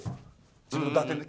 自分の打点で。